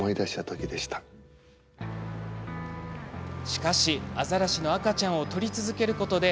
しかし、アザラシの赤ちゃんを撮り続けることで